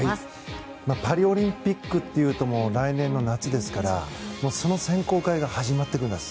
パリオリンピックというと来年の夏ですからその選考会が始まっていくんだと。